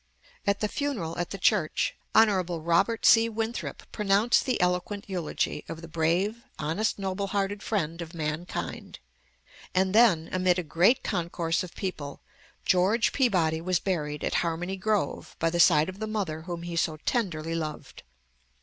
At the funeral, at the church, Hon. Robert C. Winthrop pronounced the eloquent eulogy, of the "brave, honest, noble hearted friend of mankind," and then, amid a great concourse of people, George Peabody was buried at Harmony Grove, by the side of the mother whom he so tenderly loved.